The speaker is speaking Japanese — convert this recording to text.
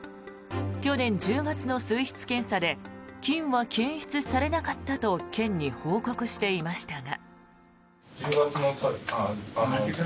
去年１０月の水質検査で菌は検出されなかったと県に報告していましたが。